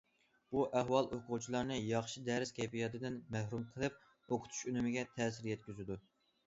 بۇ ئەھۋال ئوقۇغۇچىلارنى ياخشى دەرس كەيپىياتىدىن مەھرۇم قىلىپ، ئوقۇتۇش ئۈنۈمىگە تەسىر يەتكۈزىدۇ.